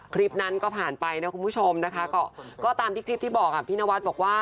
คลิปนั้นก็ผ่านไปนะคุณผู้ชมนะคะก็ตามที่คลิปที่บอกพี่นวัดบอกว่า